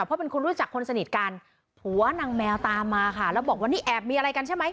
เพราะเป็นคนรู้จักคนสนิทกันผัวนางแมวตามมาค่ะแล้วบอกว่านี่แอบมีอะไรกันใช่ไหม